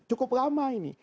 cukup lama ini